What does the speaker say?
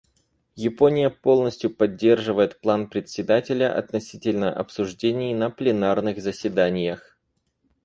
Япония полностью поддерживает план Председателя относительно обсуждений на пленарных заседаниях.